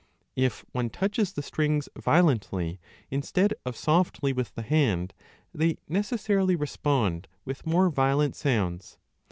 If one touches the strings violently instead 30 of softly with the hand, they necessarily respond with more violent sounds.